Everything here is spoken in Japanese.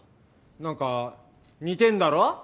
なんか似てんだろ？